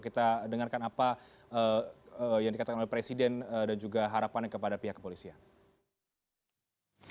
kita dengarkan apa yang dikatakan oleh presiden dan juga harapannya kepada pihak kepolisian